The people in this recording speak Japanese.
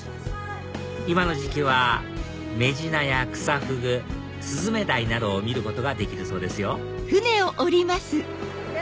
今の時期はメジナやクサフグスズメダイなどを見ることができるそうですよ